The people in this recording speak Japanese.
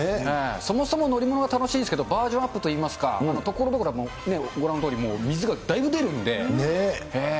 そもそも乗り物楽しいんですけれども、バージョンアップといいますか、ところどころね、ご覧のとおり、水がだいぶ出るんで。